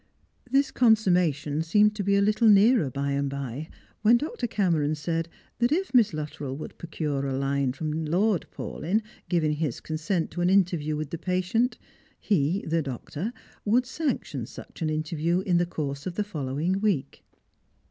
This consummation seemed to be a little nearer by and by, when Dr. Cameron said, that if Miss Luttrell would procure a line from Lord Paulyn giving his consent to an interview with the patient, he, the doctor, would sanction such an interview in the course of the following week.